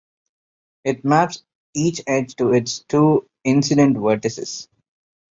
It maps each edge to its two incident vertices.